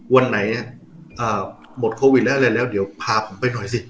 วันไหนหมดโควิดแล้วอะไรแล้วเดี๋ยวพาผมไปหน่อยสิ